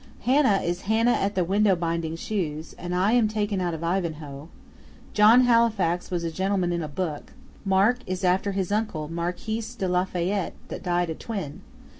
Hannah is Hannah at the Window Binding Shoes, and I am taken out of Ivanhoe; John Halifax was a gentleman in a book; Mark is after his uncle Marquis de Lafayette that died a twin.